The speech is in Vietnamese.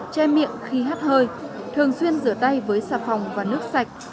che miệng khi hát hơi thường xuyên rửa tay với xà phòng và nước sạch